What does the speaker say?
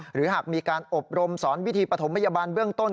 หรือหากมีการอบรมสอนวิธีปฐมพยาบาลเบื้องต้น